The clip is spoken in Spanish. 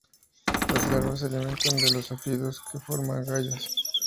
Las larvas se alimentan de los áfidos que forman agallas.